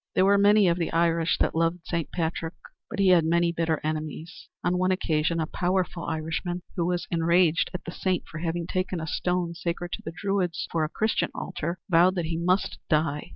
There were many of the Irish that loved Saint Patrick, but he had many bitter enemies. On one occasion a powerful Irishman, who was enraged at the Saint for having taken a stone sacred to the Druids for a Christian altar, vowed that he must die.